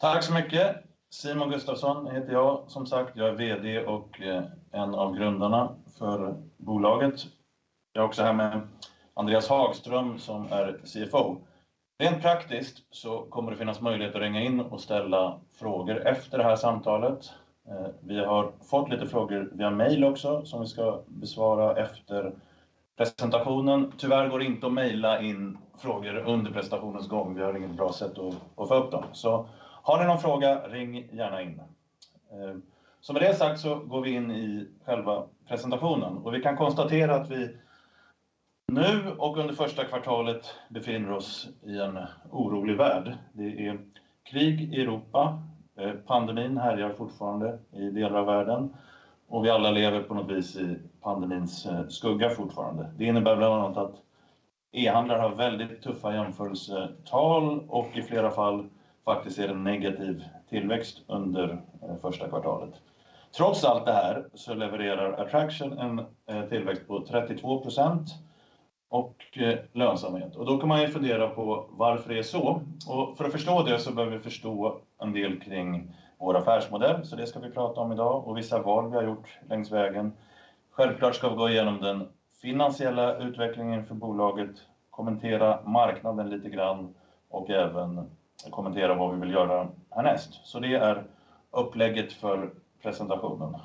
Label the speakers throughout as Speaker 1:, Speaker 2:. Speaker 1: Tack så mycket. Simon Gustafson heter jag som sagt, jag är VD och en av grundarna för bolaget. Jag är också här med Andreas Hagström som är CFO. Rent praktiskt så kommer det finnas möjlighet att ringa in och ställa frågor efter det här samtalet. Vi har fått lite frågor via mail också som vi ska besvara efter presentationen. Tyvärr går det inte att mejla in frågor under presentationens gång. Vi har inget bra sätt att få upp dem. Så har ni någon fråga, ring gärna in. Så med det sagt så går vi in i själva presentationen och vi kan konstatera att vi nu och under första kvartalet befinner oss i en orolig värld. Det är krig i Europa, pandemin härjar fortfarande i delar av världen och vi alla lever på något vis i pandemins skugga fortfarande. Det innebär bland annat att e-handlare har väldigt tuffa jämförelsetal och i flera fall faktiskt ser en negativ tillväxt under första kvartalet. Trots allt det här så levererar Adtraction en tillväxt på 32% och lönsamhet. Då kan man ju fundera på varför det är så. För att förstå det så behöver vi förstå en del kring vår affärsmodell. Det ska vi prata om i dag och vissa val vi har gjort längs vägen. Självklart ska vi gå igenom den finansiella utvecklingen för bolaget, kommentera marknaden lite grann och även kommentera vad vi vill göra härnäst. Det är upplägget för presentationen.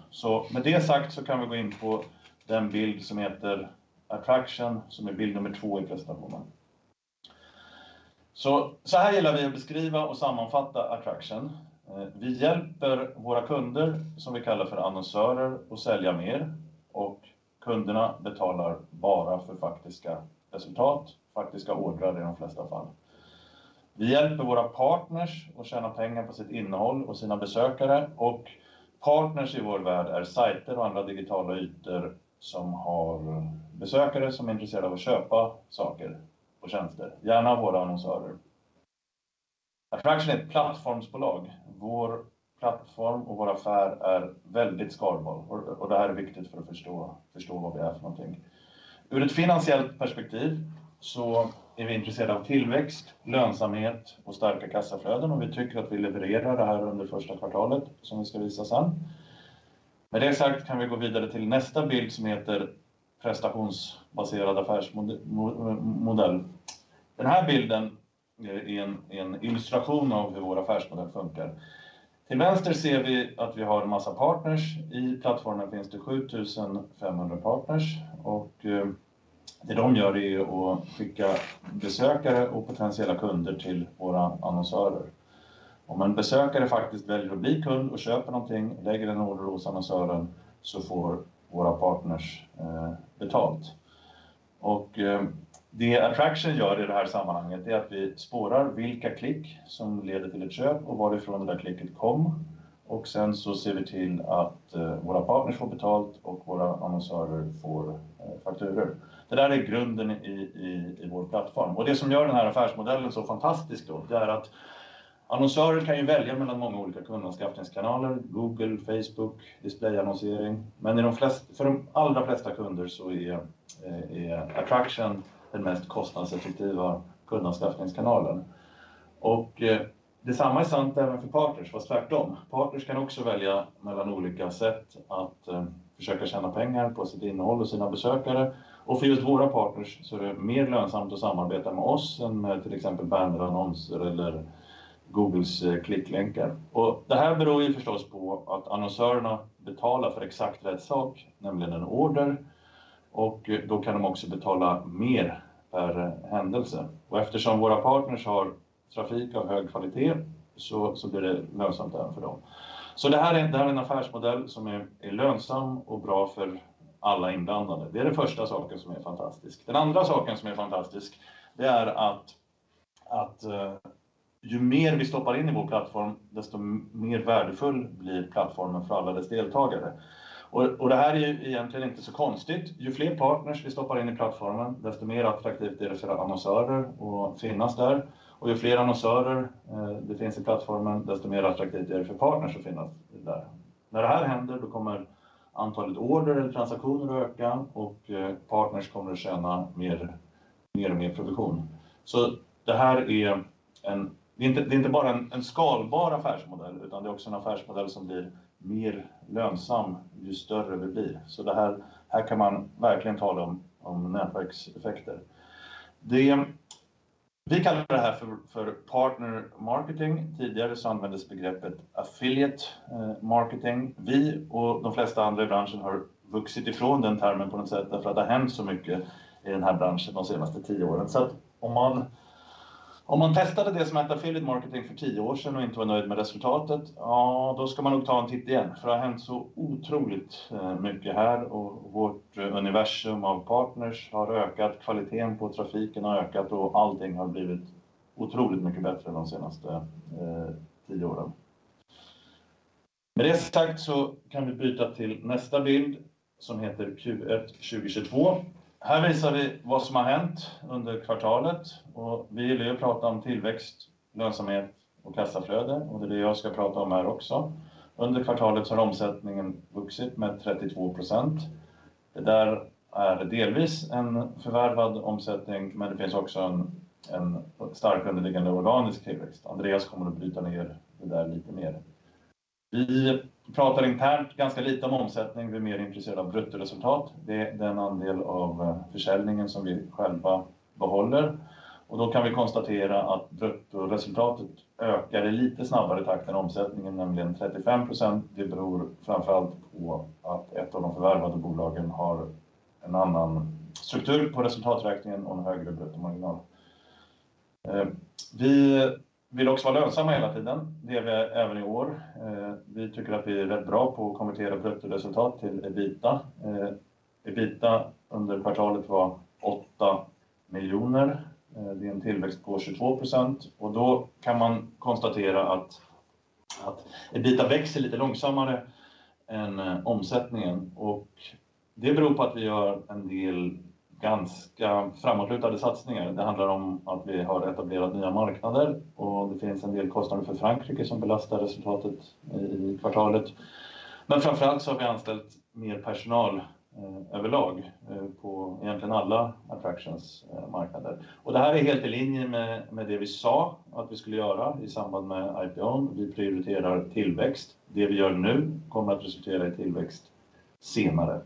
Speaker 1: Med det sagt kan vi gå in på den bild som heter Adtraction, som är bild nummer 2 i presentationen. Här gillar vi att beskriva och sammanfatta Adtraction. Vi hjälper våra kunder som vi kallar för annonsörer att sälja mer och kunderna betalar bara för faktiska resultat, faktiska ordrar i de flesta fall. Vi hjälper våra partners att tjäna pengar på sitt innehåll och sina besökare och partners i vår värld är sajter och andra digitala ytor som har besökare som är intresserade av att köpa saker och tjänster, gärna av våra annonsörer. Adtraction är ett plattformsbolag. Vår plattform och vår affär är väldigt skalbar och det här är viktigt för att förstå vad vi är för någonting. Ur ett finansiellt perspektiv så är vi intresserade av tillväxt, lönsamhet och starka kassaflöden och vi tycker att vi levererar det här under första kvartalet som vi ska visa sen. Med det sagt kan vi gå vidare till nästa bild som heter Prestationsbaserad affärsmodell. Den här bilden är en illustration av hur vår affärsmodell funkar. Till vänster ser vi att vi har en massa partners. I plattformen finns det 7,500 partners och det de gör är ju att skicka besökare och potentiella kunder till våra annonsörer. Om en besökare faktiskt väljer att bli kund och köper någonting, lägger en order hos annonsören, så får våra partners betalt. Det Adtraction gör i det här sammanhanget är att vi spårar vilka klick som leder till ett köp och var det från det där klicket kom. Sen så ser vi till att våra partners får betalt och våra annonsörer får fakturor. Det där är grunden i vår plattform. Det som gör den här affärsmodellen så fantastisk då, det är att annonsören kan ju välja mellan många olika kundanskaffningskanaler, Google, Facebook, displayannonsering. I de flesta, för de allra flesta kunder så är Adtraction den mest kostnadseffektiva kundanskaffningskanalen. Detsamma är sant även för partners, fast tvärtom. Partners kan också välja mellan olika sätt att försöka tjäna pengar på sitt innehåll och sina besökare. För just våra partners så är det mer lönsamt att samarbeta med oss än med till exempel bannerannonser eller Googles klicklänkar. Det här beror ju förstås på att annonsörerna betalar för exakt rätt sak, nämligen en order, och då kan de också betala mer per händelse. Eftersom våra partners har trafik av hög kvalitet så blir det lönsamt även för dem. Det här är en affärsmodell som är lönsam och bra för alla inblandade. Det är den första saken som är fantastisk. Den andra saken som är fantastisk, det är att ju mer vi stoppar in i vår plattform, desto mer värdefull blir plattformen för alla dess deltagare. Det här är ju egentligen inte så konstigt. Ju fler partners vi stoppar in i plattformen, desto mer attraktivt är det för annonsörer att finnas där. Ju fler annonsörer det finns i plattformen, desto mer attraktivt är det för partners att finnas där. När det här händer, då kommer antalet order eller transaktioner att öka och partners kommer att tjäna mer och mer provision. Det här är inte bara en skalbar affärsmodell, utan det är också en affärsmodell som blir mer lönsam ju större vi blir. Det här kan man verkligen tala om nätverkseffekter. Vi kallar det här för partner marketing. Tidigare så användes begreppet affiliate marketing. Vi och de flesta andra i branschen har vuxit ifrån den termen på något sätt därför att det har hänt så mycket i den här branschen de senaste tio åren. Om man testade det som hette affiliate marketing för tio år sedan och inte var nöjd med resultatet, ja då ska man nog ta en titt igen. För det har hänt så otroligt mycket här och vårt universum av partners har ökat, kvaliteten på trafiken har ökat och allting har blivit otroligt mycket bättre de senaste tio åren. Med det sagt kan vi byta till nästa bild som heter Q1 2022. Här visar vi vad som har hänt under kvartalet och vi gillar ju att prata om tillväxt, lönsamhet och kassaflöde och det är det jag ska prata om här också. Under kvartalet har omsättningen vuxit med 32%. Det där är delvis en förvärvad omsättning, men det finns också en stark underliggande organisk tillväxt. Andreas kommer att bryta ner det där lite mer. Vi pratar internt ganska lite om omsättning. Vi är mer intresserade av bruttoresultat. Det är den andel av försäljningen som vi själva behåller. Då kan vi konstatera att bruttoresultatet ökar i lite snabbare takt än omsättningen, nämligen 35%. Det beror framför allt på att ett av de förvärvade bolagen har en annan struktur på resultaträkningen och en högre bruttomarginal. Vi vill också vara lönsamma hela tiden. Det är vi även i år. Vi tycker att vi är rätt bra på att konvertera bruttoresultat till EBITDA. EBITDA under kvartalet var SEK 8 miljoner. Det är en tillväxt på 22% och då kan man konstatera att EBITDA växer lite långsammare än omsättningen. Det beror på att vi gör en del ganska framåtskjutna satsningar. Det handlar om att vi har etablerat nya marknader och det finns en del kostnader för Frankrike som belastar resultatet i kvartalet. Framför allt så har vi anställt mer personal överlag på egentligen alla Adtraction marknader. Det här är helt i linje med det vi sa att vi skulle göra i samband med IPO:n. Vi prioriterar tillväxt. Det vi gör nu kommer att resultera i tillväxt senare.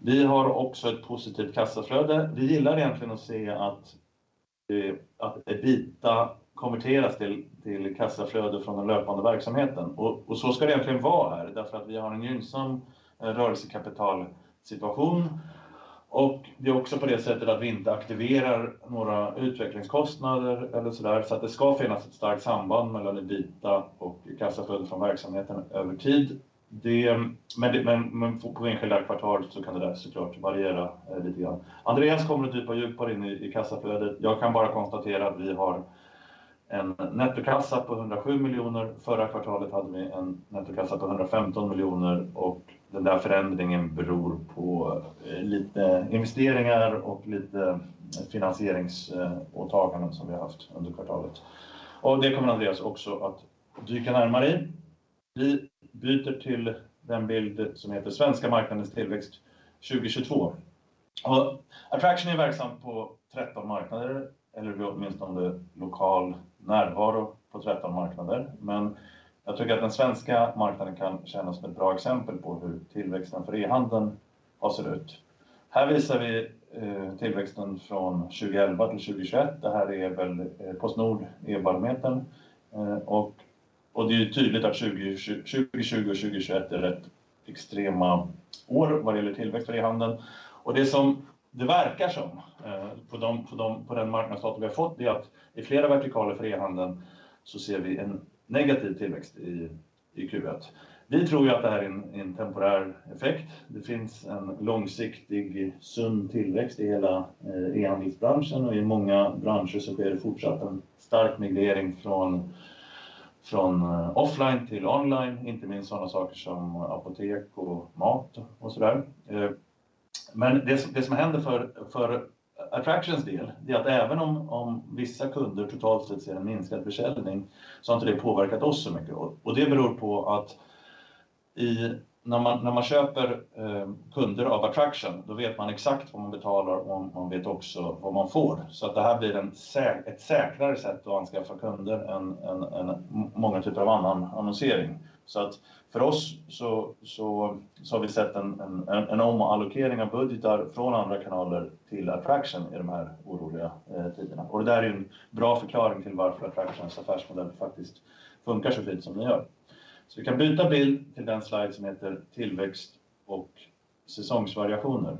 Speaker 1: Vi har också ett positivt kassaflöde. Vi gillar egentligen att se att EBITDA konverteras till kassaflöde från den löpande verksamheten. Så ska det egentligen vara därför att vi har en gynnsam rörelsekapitalsituation. Det är också på det sättet att vi inte aktiverar några utvecklingskostnader eller sådär. Så att det ska finnas ett starkt samband mellan EBITDA och kassaflöde från verksamheten över tid. Men på enskilda kvartal så kan det där så klart variera lite grann. Andreas kommer att dyka djupare in i kassaflödet. Jag kan bara konstatera att vi har en nettokassa på 107 miljoner. Förra kvartalet hade vi en nettokassa på 115 miljoner och den där förändringen beror på lite investeringar och lite finansieringsåtaganden som vi haft under kvartalet. Det kommer Andreas också att dyka närmare i. Vi byter till den bild som heter Svenska marknadens tillväxt 2022. Adtraction är verksam på 13 marknader eller åtminstone lokal närvaro på 13 marknader. Jag tycker att den svenska marknaden kan tjäna som ett bra exempel på hur tillväxten för e-handeln har sett ut. Här visar vi tillväxten från 2011 till 2021. Det här är väl PostNord E-barometern. Det är tydligt att 2020 och 2021 är rätt extrema år vad det gäller tillväxt för e-handeln. Det som det verkar som på den marknadsdata vi har fått är att i flera vertikaler för e-handeln så ser vi en negativ tillväxt i Q1. Vi tror ju att det här är en temporär effekt. Det finns en långsiktig sund tillväxt i hela e-handelsbranschen och i många branscher så sker det fortsatt en stark migrering från offline till online, inte minst sådana saker som apotek och mat och sådär. Det som händer för Adtractions del är att även om vissa kunder totalt sett ser en minskad försäljning, så har inte det påverkat oss så mycket. Det beror på att när man köper kunder av Adtraction, då vet man exakt vad man betalar och man vet också vad man får. Det här blir ett säkrare sätt att anskaffa kunder än många typer av annan annonsering. För oss har vi sett en omallokering av budgetar från andra kanaler till Adtraction i de här oroliga tiderna. Det där är en bra förklaring till varför Adtractions affärsmodell faktiskt funkar så fint som den gör. Vi kan byta bild till den slide som heter Tillväxt och säsongsvariationer.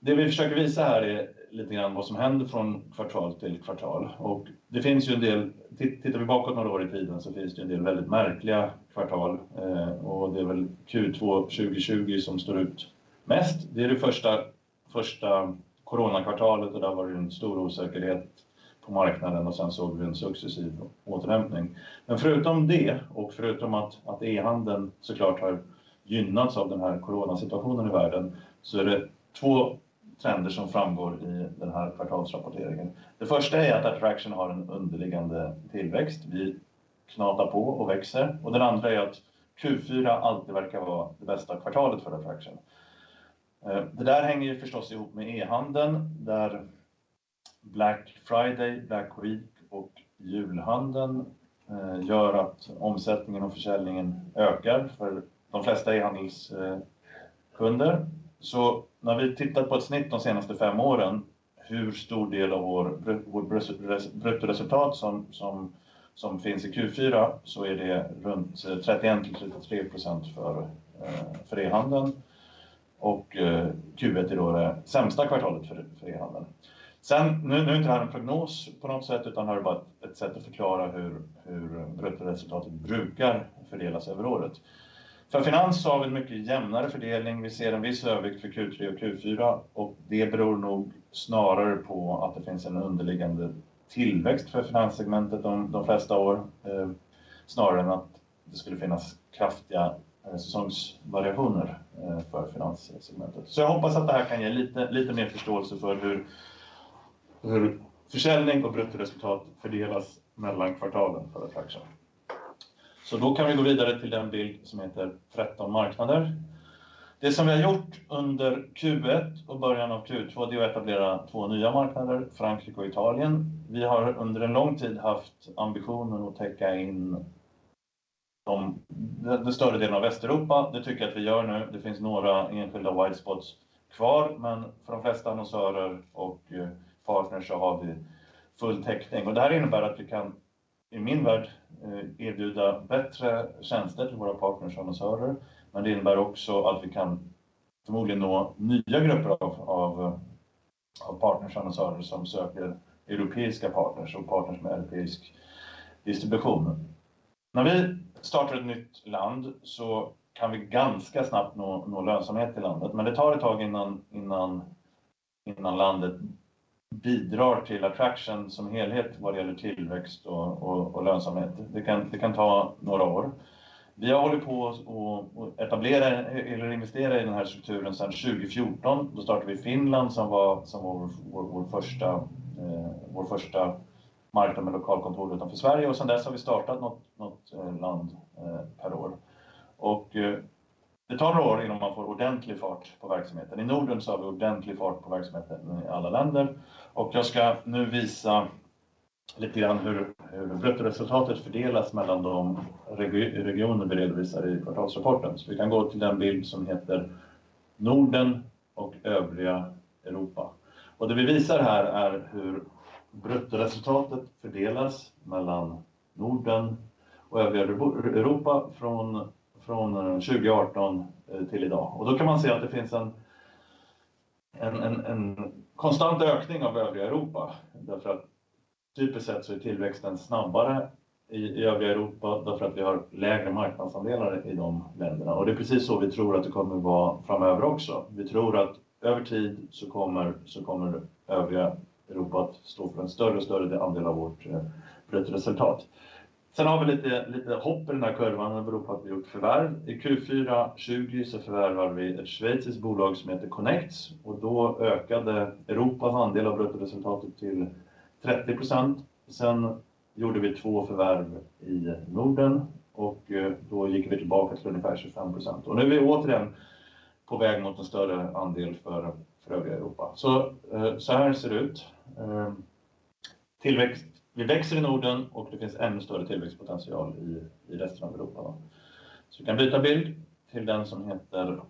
Speaker 1: Det vi försöker visa här är lite grann vad som händer från kvartal till kvartal. Det finns ju en del. Tittar vi bakåt några år i tiden så finns det en del väldigt märkliga kvartal och det är väl Q2 2020 som står ut mest. Det är det första corona-kvartalet och det har varit en stor osäkerhet på marknaden och sen såg vi en successiv återhämtning. Förutom det och förutom att e-handeln så klart har gynnats av den här corona-situationen i världen, är det två trender som framgår i den här kvartalsrapporteringen. Det första är att Adtraction har en underliggande tillväxt. Vi knatar på och växer och den andra är att Q4 alltid verkar vara det bästa kvartalet för Adtraction. Det där hänger förstås ihop med e-handeln, där Black Friday, Black Week och julhandeln gör att omsättningen och försäljningen ökar för de flesta e-handelskunder. När vi tittar på ett snitt de senaste 5 åren, hur stor del av vår bruttoresultat som finns i Q4 är det runt 31-33% för e-handeln. Q1 är då det sämsta kvartalet för e-handeln. Nu är inte det här en prognos på något sätt, utan det här är bara ett sätt att förklara hur bruttoresultatet brukar fördelas över året. För finans har vi en mycket jämnare fördelning. Vi ser en viss övervikt för Q3 och Q4 och det beror nog snarare på att det finns en underliggande tillväxt för finanssegmentet de flesta år, snarare än att det skulle finnas kraftiga säsongsvariationer för finanssegmentet. Jag hoppas att det här kan ge lite mer förståelse för hur försäljning och bruttoresultat fördelas mellan kvartalen för Adtraction. Då kan vi gå vidare till den bild som heter "Tretton marknader". Det som vi har gjort under Q1 och början av Q2, det är att etablera två nya marknader, Frankrike och Italien. Vi har under en lång tid haft ambitionen att täcka in de, det större delen av Västeuropa. Det tycker jag att vi gör nu. Det finns några enskilda white spots kvar, men för de flesta annonsörer och partners så har vi full täckning. Det här innebär att vi kan, i min värld, erbjuda bättre tjänster till våra partners och annonsörer. Det innebär också att vi kan förmodligen nå nya grupper av partners och annonsörer som söker europeiska partners och partners med europeisk distribution. När vi startar ett nytt land så kan vi ganska snabbt nå lönsamhet i landet, men det tar ett tag innan landet bidrar till Adtraction som helhet vad det gäller tillväxt och lönsamhet. Det kan ta några år. Vi har hållit på att etablera eller investera i den här strukturen sedan 2014. Startade vi Finland som var vår första marknad med lokalkontor utanför Sverige. Sedan dess har vi startat något land per år. Det tar några år innan man får ordentlig fart på verksamheten. I Norden så har vi ordentlig fart på verksamheten i alla länder. Jag ska nu visa lite grann hur bruttoresultatet fördelas mellan de regioner vi redovisar i kvartalsrapporten. Vi kan gå till den bild som heter "Norden och övriga Europa". Det vi visar här är hur bruttoresultatet fördelas mellan Norden och övriga Europa från 2018 till i dag. Då kan man se att det finns en konstant ökning av övriga Europa. Därför att typiskt sett så är tillväxten snabbare i övriga Europa därför att vi har lägre marknadsandelar i de länderna. Det är precis så vi tror att det kommer att vara framöver också. Vi tror att över tid så kommer övriga Europa att stå för en större och större andel av vårt bruttoresultat. Vi har lite hopp i den här kurvan. Det beror på att vi gjort förvärv. I Q4 2020 så förvärvade vi ett schweiziskt bolag som heter Connects och då ökade Europas andel av bruttoresultatet till 30%. Vi gjorde två förvärv i Norden och då gick vi tillbaka till ungefär 25%. Nu är vi återigen på väg mot en större andel för övriga Europa. Så här ser det ut. Tillväxt. Vi växer i Norden och det finns ännu större tillväxtpotential i resten av Europa. Vi kan byta bild till den som heter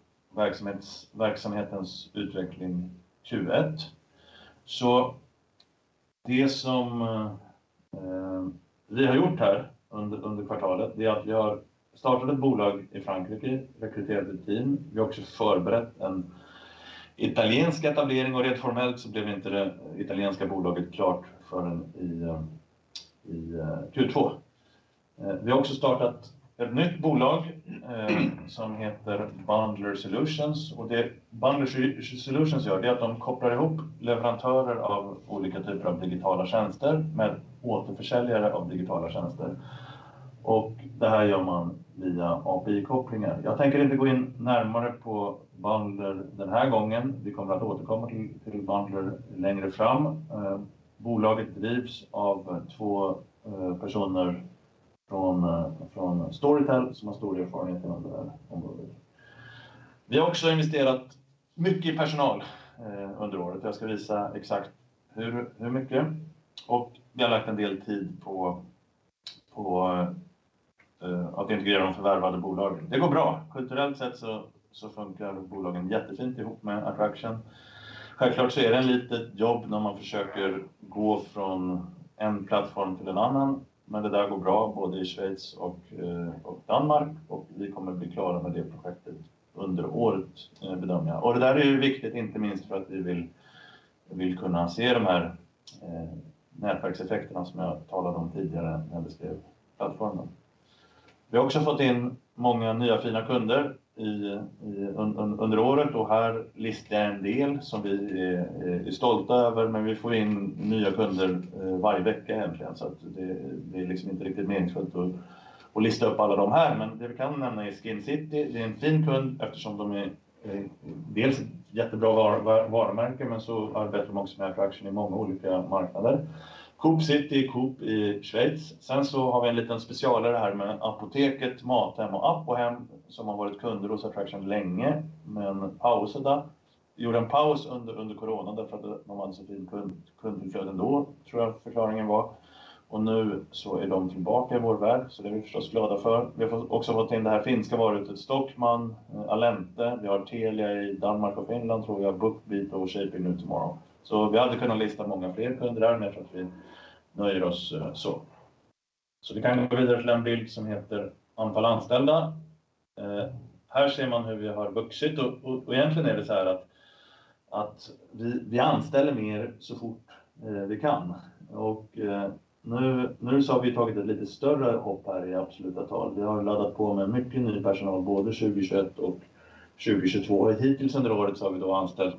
Speaker 1: "Verksamhetens utveckling Q1". Det som vi har gjort här under kvartalet är att vi har startat ett bolag i Frankrike, rekryterat ett team. Vi har också förberett en italiensk etablering och rent formellt så blev inte det italienska bolaget klart förrän i Q2. Vi har också startat ett nytt bolag som heter Bundler Solutions. Och det Bundler Solutions gör är att de kopplar ihop leverantörer av olika typer av digitala tjänster med återförsäljare av digitala tjänster. Och det här gör man via API-kopplingar. Jag tänker inte gå in närmare på Bundler den här gången. Vi kommer att återkomma till Bundler längre fram. Bolaget drivs av två personer från Storytel som har stor erfarenhet inom det här området. Vi har också investerat mycket i personal under året. Jag ska visa exakt hur mycket. Vi har lagt en del tid på att integrera de förvärvade bolagen. Det går bra. Kulturellt sett så funkar bolagen jättefint ihop med Adtraction. Självklart så är det ett litet jobb när man försöker gå från en plattform till en annan, men det där går bra både i Schweiz och och Danmark och vi kommer bli klara med det projektet under året bedömer jag. Det där är ju viktigt, inte minst för att vi vill kunna se de här nätverkseffekterna som jag talade om tidigare när jag beskrev plattformen. Vi har också fått in många nya fina kunder under året och här listar jag en del som vi är stolta över, men vi får in nya kunder varje vecka egentligen, så att det är liksom inte riktigt meningsfullt att lista upp alla de här. Det vi kan nämna är Skincity. Det är en fin kund eftersom de är dels ett jättebra varumärke, men så arbetar de också med Adtraction i många olika marknader. Coop City, Coop i Schweiz. Sen så har vi en liten specialare här med Apoteket, Mathem och Apohem som har varit kunder hos Adtraction länge, men pausat. Vi gjorde en paus under coronan därför att de hade en så fin kundinflöde ändå tror jag förklaringen var. Nu så är de tillbaka i vår värld. Det är vi förstås glada för. Vi har också fått in det här finska varuhuset Stockmann, Alente. Vi har Telia i Danmark och Finland tror jag. BookBeat och Shaping New Tomorrow. Vi hade kunnat lista många fler kunder här, men jag tror att vi nöjer oss så. Vi kan gå vidare till den bild som heter "Antal anställda". Här ser man hur vi har vuxit. Egentligen är det såhär att vi anställer mer så fort vi kan. Nu så har vi tagit ett lite större hopp här i absoluta tal. Vi har laddat på med mycket ny personal, både 2021 och 2022. Hittills under året så har vi då anställt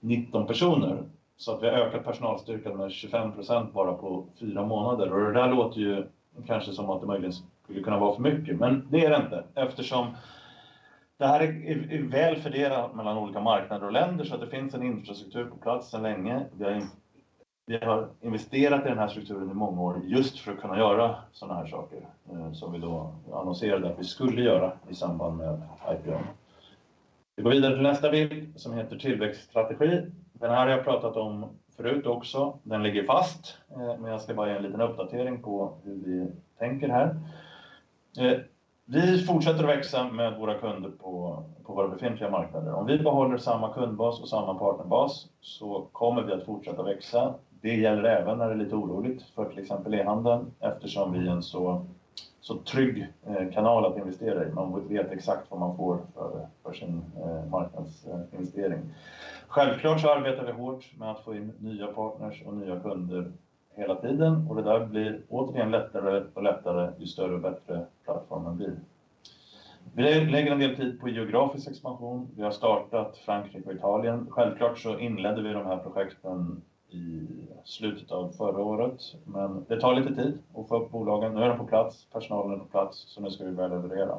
Speaker 1: 19 personer. Så att vi har ökat personalstyrkan med 25% bara på 4 månader. Det där låter ju kanske som att det möjligtvis skulle kunna vara för mycket, men det är det inte. Det här är väl fördelat mellan olika marknader och länder så att det finns en infrastruktur på plats sedan länge. Vi har investerat i den här strukturen i många år just för att kunna göra sådana här saker, som vi då annonserade att vi skulle göra i samband med IPO:n. Vi går vidare till nästa bild som heter Tillväxtstrategi. Den här har jag pratat om förut också. Den ligger fast, men jag ska bara ge en liten uppdatering på hur vi tänker här. Vi fortsätter att växa med våra kunder på våra befintliga marknader. Om vi behåller samma kundbas och samma partnerbas så kommer vi att fortsätta växa. Det gäller även när det är lite oroligt för till exempel e-handeln eftersom vi är en så trygg kanal att investera i. Man vet exakt vad man får för sin marknadsinvestering. Självklart så arbetar vi hårt med att få in nya partners och nya kunder hela tiden och det där blir återigen lättare och lättare ju större och bättre plattformen blir. Vi lägger en del tid på geografisk expansion. Vi har startat Frankrike och Italien. Självklart så inledde vi de här projekten i slutet av förra året, men det tar lite tid att få upp bolagen. Nu är de på plats, personalen är på plats, så nu ska vi börja leverera.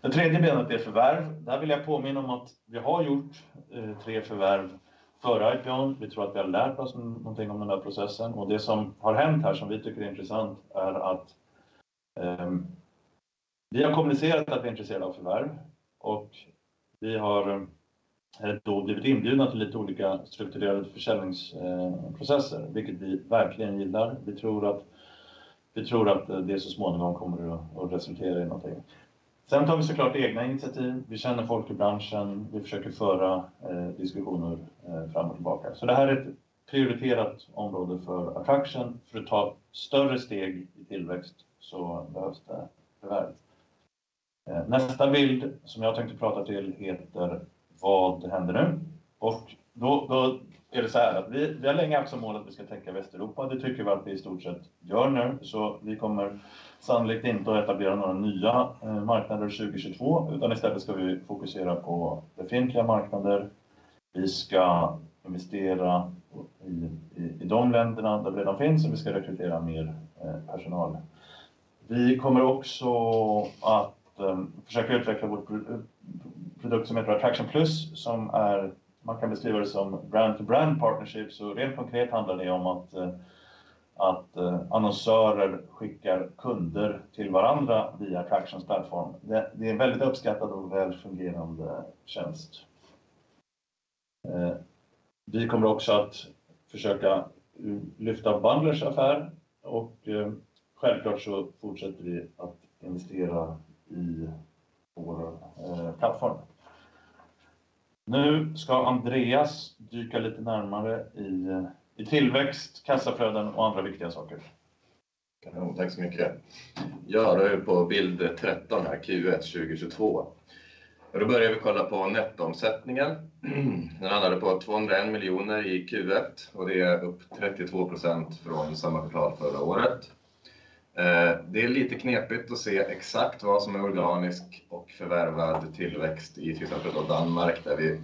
Speaker 1: Det tredje benet är förvärv. Det här vill jag påminna om att vi har gjort 3 förvärv före IPO:n. Vi tror att vi har lärt oss någonting om den här processen och det som har hänt här som vi tycker är intressant är att vi har kommunicerat att vi är intresserade av förvärv och vi har då blivit inbjudna till lite olika strukturerade försäljningsprocesser, vilket vi verkligen gillar. Vi tror att det så småningom kommer att resultera i någonting. Sen tar vi så klart egna initiativ. Vi känner folk i branschen, vi försöker föra diskussioner fram och tillbaka. Det här är ett prioriterat område för Adtraction. För att ta större steg i tillväxt så behövs det förvärv. Nästa bild som jag tänkte prata till heter Vad händer nu? Då är det såhär att vi har länge haft som mål att vi ska täcka Västeuropa. Det tycker vi att vi i stort sett gör nu. Vi kommer sannolikt inte att etablera några nya marknader 2022, utan istället ska vi fokusera på befintliga marknader. Vi ska investera i de länderna där vi redan finns och vi ska rekrytera mer personal. Vi kommer också att försöka utveckla vårt produkt som heter Adtraction Plus, som är, man kan beskriva det som brand to brand partnerships och rent konkret handlar det om att annonsörer skickar kunder till varandra via Adtractions plattform. Det är en väldigt uppskattad och väl fungerande tjänst. Vi kommer också att försöka lyfta Bundler affär och självklart så fortsätter vi att investera i vår plattform. Nu ska Andreas dyka lite närmare i tillväxt, kassaflöden och andra viktiga saker.
Speaker 2: Tack så mycket. Ja, då är vi på bild 13 här, Q1 2022. Då börjar vi kolla på nettoomsättningen. Den landar på 201 miljoner i Q1 och det är upp 32% från samma kvartal förra året. Det är lite knepigt att se exakt vad som är organisk och förvärvad tillväxt i till exempel då Danmark, där vi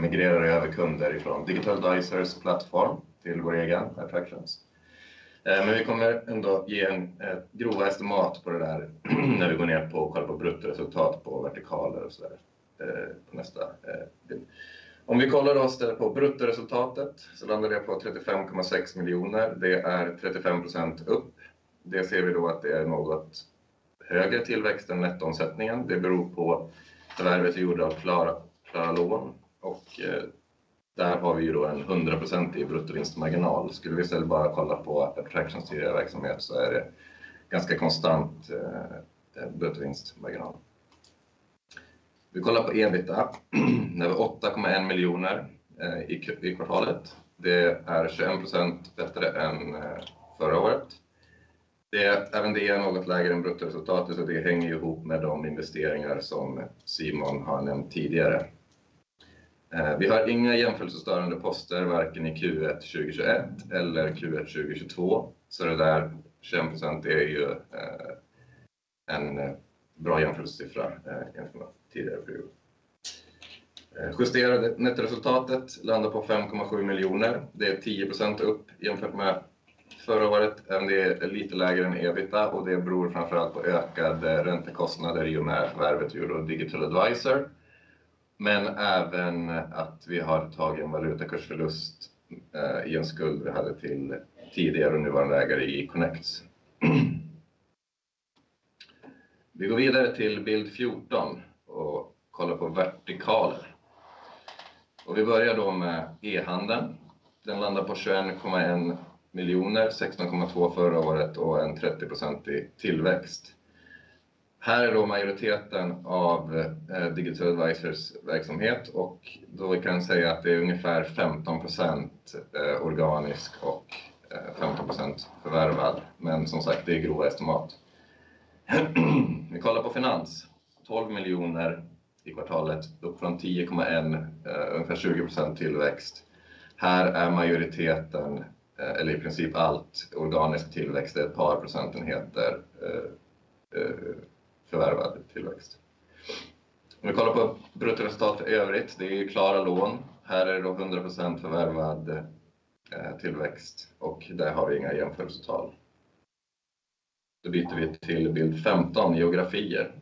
Speaker 2: migrerar över kunder ifrån Digital Advisor plattform till vår egen, Adtraction. Men vi kommer ändå ge en grov estimat på det där när vi går ner på och kollar på bruttoresultat på vertikaler och sådär, på nästa bild. Om vi kollar då istället på bruttoresultatet så landar det på 35.6 miljoner. Det är 35% upp. Det ser vi då att det är något högre tillväxt än nettoomsättningen. Det beror på förvärvet vi gjorde av Klara Lån och där har vi då en 100% bruttovinstmarginal. Skulle vi istället bara kolla på Adtraction direkta verksamhet så är det ganska konstant bruttovinstmarginal. Vi kollar på EBITDA. Den är 8.1 miljoner i kvartalet. Det är 21% bättre än förra året. Det är något lägre än bruttoresultatet, så det hänger ju ihop med de investeringar som Simon har nämnt tidigare. Vi har inga jämförelsestörande poster, varken i Q1 2021 eller Q1 2022. Så det där 21% är ju en bra jämförelsesiffra jämfört med tidigare period. Justerade nettoresultatet landar på 5.7 miljoner. Det är 10% upp jämfört med förra året. Det är lite lägre än EBITDA och det beror framför allt på ökade räntekostnader i och med förvärvet vi gjorde av Digital Advisor, men även att vi har tagit en valutakursförlust i en skuld vi hade till tidigare nuvarande ägare i Connects. Vi går vidare till bild 14 och kollar på vertikaler. Vi börjar då med e-handeln. Den landar på 21.1 miljoner, 16.2 miljoner förra året och en 30% tillväxt. Här är då majoriteten av Digital Advisors verksamhet och då kan jag säga att det är ungefär 15%, organisk och 15% förvärvad. Men som sagt, det är grova estimat. Vi kollar på finans. 12 miljoner i kvartalet, upp från 10.1, ungefär 20% tillväxt. Här är majoriteten eller i princip allt organisk tillväxt, det är ett par procentenheter förvärvad tillväxt. Om vi kollar på bruttoresultat i övrigt, det är Klara Lån. Här är det då 100% förvärvad tillväxt och där har vi inga jämförelsetal. Byter vi till bild 15, geografier.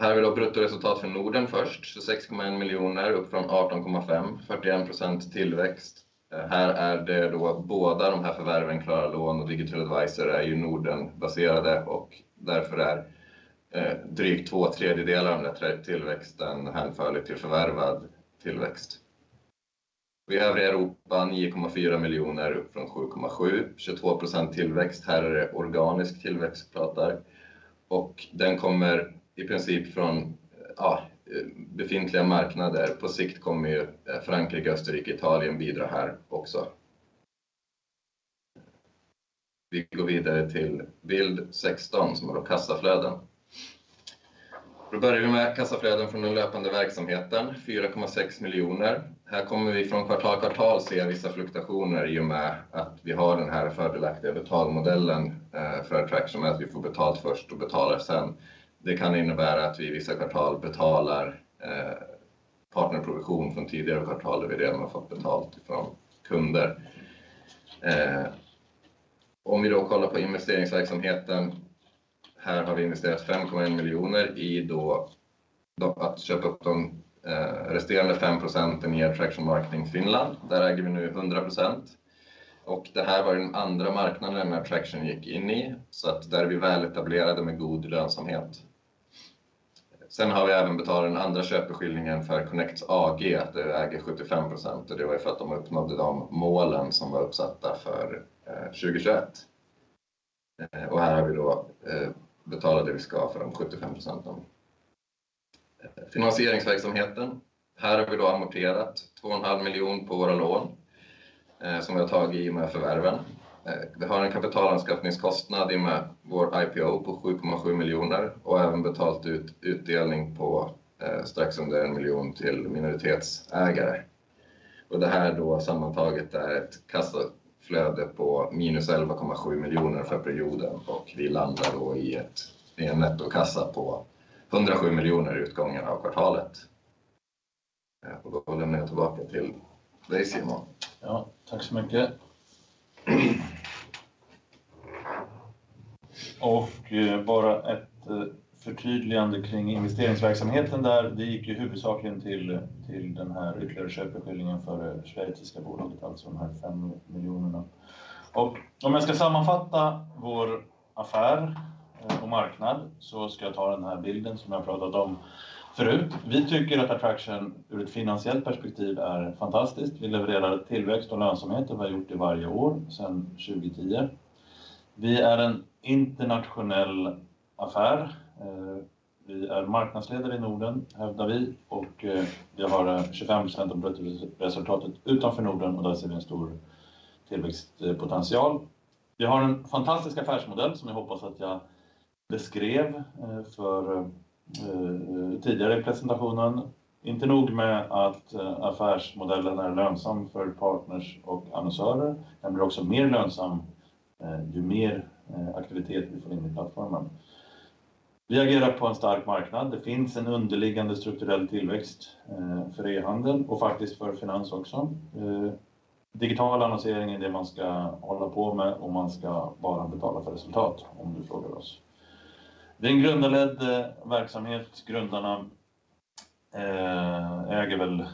Speaker 2: Här har vi då bruttoresultat för Norden först, 26.1 miljoner upp från 18.5 miljoner, 41% tillväxt. Här är det då båda de här förvärven Klara Lån och Digital Advisor är ju Norden-baserade och därför är drygt två tredjedelar av den där tillväxten hänförlig till förvärvad tillväxt. Vi övriga Europa 9.4 miljoner upp från SEK 7.7 miljoner, 22% tillväxt. Här är det organisk tillväxt vi pratar. Den kommer i princip från, ja, befintliga marknader. På sikt kommer ju Frankrike, Österrike, Italien bidra här också. Vi går vidare till bild 16 som har då kassaflöden. Börjar vi med kassaflöden från den löpande verksamheten, 4.6 miljoner. Här kommer vi från kvartal till kvartal ser vi vissa fluktuationer i och med att vi har den här fördelaktiga betalmodellen för Adtraction, att vi får betalt först och betalar sen. Det kan innebära att vi i vissa kvartal betalar partnerprovision från tidigare kvartaler vi redan har fått betalt ifrån kunder. Om vi då kollar på investeringsverksamheten. Här har vi investerat 5.1 million i det att köpa upp de resterande 5% i Adtraction Marketing Finland. Där äger vi nu 100%. Och det här var den andra marknaden Adtraction gick in i. Så att där är vi väletablerade med god lönsamhet. Sen har vi även betalat den andra köpeskillingen för Connects AG, där vi äger 75%. Och det var ju för att de uppnådde de målen som var uppsatta för 2021. Och här har vi då betalat det vi ska för de 75%. Finansieringsverksamheten. Här har vi då amorterat 2.5 million på våra lån, som vi har tagit i med förvärven. Vi har en kapitalanskaffningskostnad i och med vår IPO på 7.7 million och även betalt ut utdelning på strax under 1 miljon till minoritetsägare. Det här då sammantaget är ett kassaflöde på minus 11.7 million för perioden och vi landar då i en nettokassa på SEK 107 million i utgången av kvartalet. Då lämnar jag tillbaka till dig, Simon.
Speaker 1: Ja, tack så mycket. Bara ett förtydligande kring investeringsverksamheten där. Det gick ju huvudsakligen till den här ytterligare köpeskillingen för schweiziska bolaget, alltså de här 5 miljoner. Om jag ska sammanfatta vår affär och marknad så ska jag ta den här bilden som jag pratat om förut. Vi tycker att Adtraction ur ett finansiellt perspektiv är fantastiskt. Vi levererar tillväxt och lönsamhet och har gjort det varje år sen 2010. Vi är en internationell affär. Vi är marknadsledare i Norden, hävdar vi, och vi har 25% av bruttoresultatet utanför Norden och där ser vi en stor tillväxtpotential. Vi har en fantastisk affärsmodell som jag hoppas att jag beskrev tidigare i presentationen. Inte nog med att affärsmodellen är lönsam för partners och annonsörer, den blir också mer lönsam ju mer aktivitet vi får in i plattformen. Vi agerar på en stark marknad. Det finns en underliggande strukturell tillväxt för e-handeln och faktiskt för finans också. Digital annonsering är det man ska hålla på med och man ska bara betala för resultat om du frågar oss. Det är en grundarledd verksamhet. Grundarna äger väl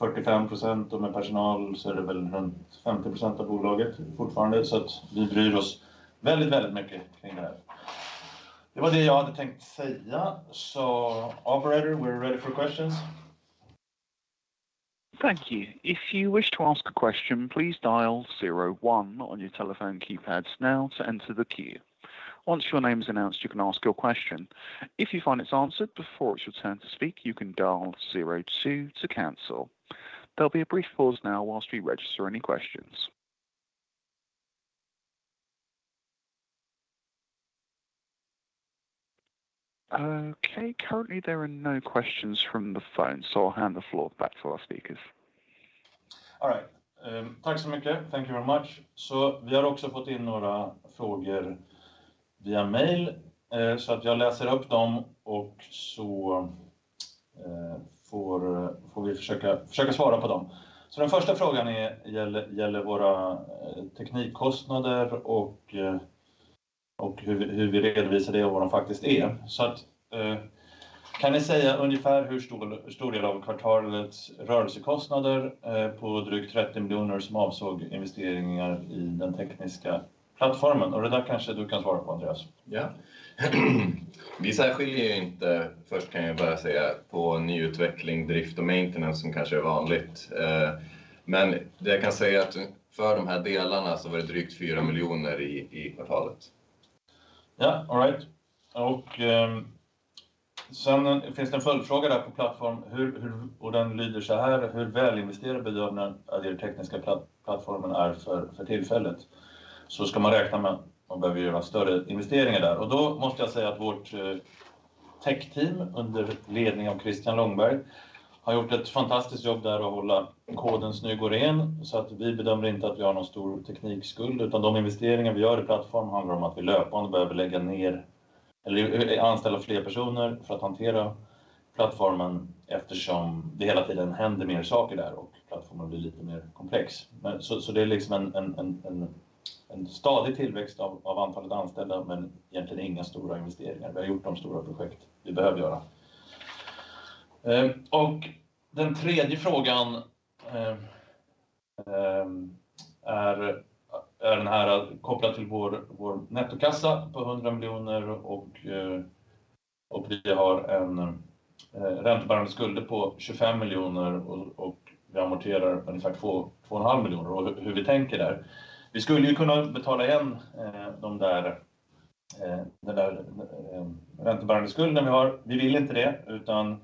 Speaker 1: 45% och med personal så är det väl runt 50% av bolaget fortfarande. Vi bryr oss väldigt mycket kring det här. Det var det jag hade tänkt säga. Operator, we are ready for questions.
Speaker 3: Thank you. If you wish to ask a question, please dial zero one on your telephone keypads now to enter the queue. Once your name is announced, you can ask your question. If you find it's answered before it's your turn to speak, you can dial zero two to cancel. There'll be a brief pause now while we register any questions. Okay, currently there are no questions from the phone, so I'll hand the floor back to our speakers.
Speaker 1: All right. Tack så mycket. Thank you very much. Så vi har också fått in några frågor via mejl. Så att jag läser upp dem och så får vi försöka svara på dem. Så den första frågan är, gäller våra teknikkostnader och hur vi redovisar det och vad de faktiskt är. Så kan ni säga ungefär hur stor del av kvartalets rörelsekostnader på drygt 30 miljoner som avsåg investeringar i den tekniska plattformen? Och det där kanske du kan svara på, Andreas.
Speaker 2: Ja. Vi särskiljer ju inte, först kan jag börja säga, på nyutveckling, drift och maintenance som kanske är vanligt. Det jag kan säga att för de här delarna så var det drygt SEK 4 miljoner i kvartalet.
Speaker 1: Ja, all right. Sen finns det en följdfråga där på plattform. Hur och den lyder såhär: "Hur välinvesterad bedömer ni att er tekniska plattformen är för tillfället? Så ska man räkna med om man behöver göra större investeringar där." Då måste jag säga att vårt tech team under ledning av Christian Longberg har gjort ett fantastiskt jobb där att hålla koden snygg och ren. Så att vi bedömer inte att vi har någon stor teknikskuld, utan de investeringar vi gör i plattform handlar om att vi löpande behöver lägga ner eller anställa fler personer för att hantera plattformen eftersom det hela tiden händer mer saker där och plattformen blir lite mer komplex. Så det är liksom en stadig tillväxt av antalet anställda men egentligen inga stora investeringar. Vi har gjort de stora projekt vi behöver göra. Den tredje frågan är den här kopplat till vår nettokassa på SEK 100 miljoner och vi har en räntebärande skuld på 25 miljoner och vi amorterar ungefär två och en halv miljoner. Hur vi tänker där? Vi skulle ju kunna betala igen den räntebärande skulden vi har. Vi vill inte det, utan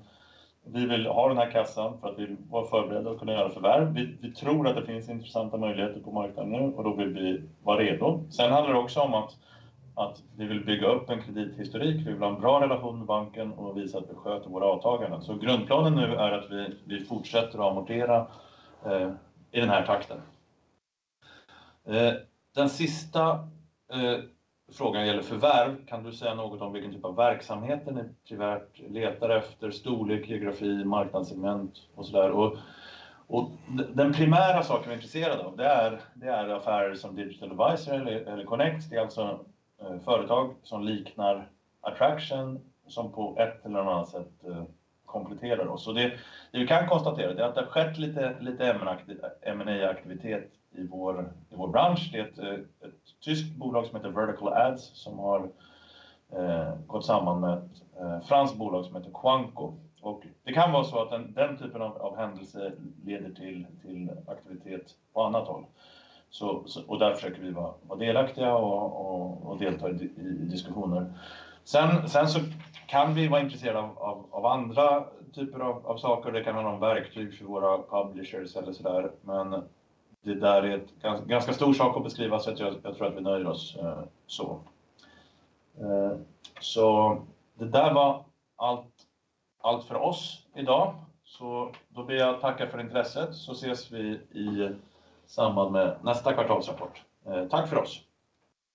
Speaker 1: vi vill ha den här kassan för att vi vill vara förberedda att kunna göra förvärv. Vi tror att det finns intressanta möjligheter på marknaden nu och då vill vi vara redo. Handlar det också om att vi vill bygga upp en kredithistorik. Vi vill ha en bra relation med banken och visa att vi sköter våra avtalen. Grundplanen nu är att vi fortsätter att amortera i den här takten. Den sista frågan gäller förvärv. Kan du säga något om vilken typ av verksamheten ni primärt letar efter? Storlek, geografi, marknadssegment och sådär. Den primära saken vi är intresserade av, det är affärer som Digital Advisor eller Connects. Det är alltså företag som liknar Adtraction som på ett eller annat sätt kompletterar oss. Det vi kan konstatera, det är att det har skett lite M&A-aktivitet i vår bransch. Det är ett tyskt bolag som heter verticalAds som har gått samman med ett franskt bolag som heter Kwanko. Det kan vara så att den typen av händelse leder till aktivitet på annat håll. Där försöker vi vara delaktiga och delta i diskussioner. Sen kan vi vara intresserade av andra typer av saker. Det kan vara något verktyg för våra publishers eller så där, men det där är en ganska stor sak att beskriva. Jag tror att vi nöjer oss så. Det där var allt för oss idag. Då ber jag att tacka för intresset. Ses vi i samband med nästa kvartalsrapport. Tack för oss.